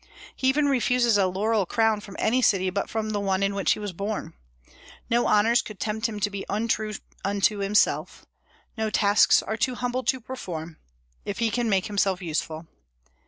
He even refuses a laurel crown from any city but from the one in which he was born. No honors could tempt him to be untrue unto himself; no tasks are too humble to perform, if he can make himself useful.